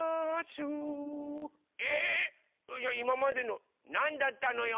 じゃあいままでのなんだったのよ！